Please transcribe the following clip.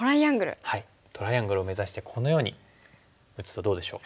トライアングルを目指してこのように打つとどうでしょう？